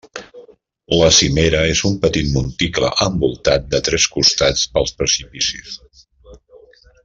La cimera és un petit monticle envoltat de tres costats pels precipicis.